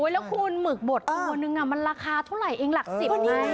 แล้วคุณหมึกบดตัวนึงมันราคาเท่าไหร่เองหลัก๑๐ไง